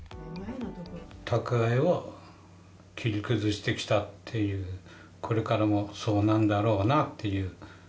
蓄えを切り崩してきたっていう、これからもそうなんだろうなっていう。